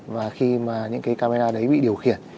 và khi mà những cái camera đấy bị điều khiển